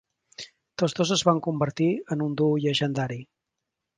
Tots dos es van convertir en un duo llegendari.